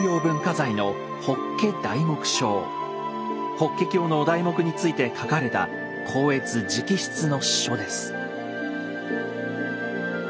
「法華経」のお題目について書かれた光悦直筆の書です。